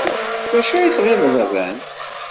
D acu ay tɣiled ran-t?